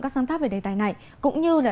các sáng tác về đề tài này cũng như là